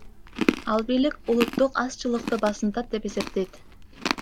Ал бийлик улуттук азчылыкты басынтат деп эсептейт.